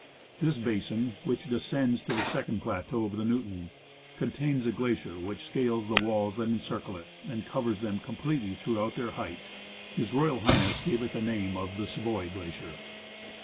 This basin, which descends to the second plateau of the Newton, contains a glacier which scales the walls that encircle it, and covers them completely throughout their height. H.R. H. gave it the name of The Savoy Glacier.